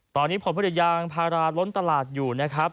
ตอนนี้ผลผลิตยางพาราล้นตลาดอยู่นะครับ